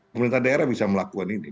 pemerintah daerah bisa melakukan ini